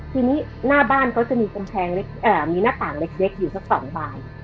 ทีนี้หน้าบ้านเขาจะมีหน้าต่างเล็กอยู่สัก๒บาท